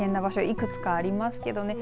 いくつかありますけどね。